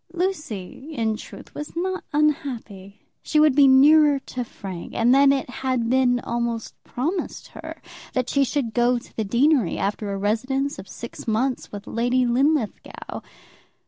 Lucy, in truth, was not unhappy. She would be nearer to Frank; and then it had been almost promised her that she should go to the deanery, after a residence of six months with Lady Linlithgow.